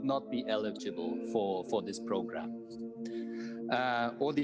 dan mereka tidak akan dapat memilih program ini